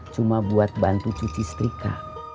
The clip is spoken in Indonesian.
cuma buat bantu cuci setrika